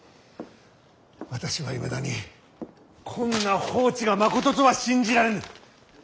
私はいまだにこんな報知がまこととは信じられぬ。